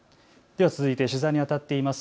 では続いて取材にあたっています